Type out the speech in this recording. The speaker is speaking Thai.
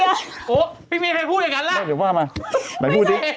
โอ๊ะพี่มีใครพูดอย่างนั้นล่ะหล่ะเดี๋ยวว่ามาแกจะพูดนี่